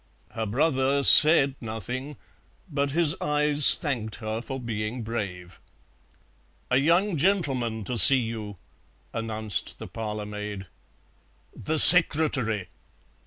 Her brother said nothing, but his eyes thanked her for being brave. "A young gentleman to see you," announced the parlour maid. "The secretary!"